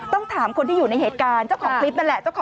ต้องถามคนที่อยู่ในเหตุการณ์เจ้าของคลิปนั่นแหละ